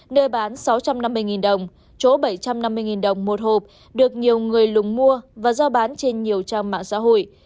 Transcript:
nơi bán sáu trăm năm mươi đồng chỗ bảy trăm năm mươi đồng một hộp được nhiều người lùng mua và giao bán trên nhiều trang mạng xã hội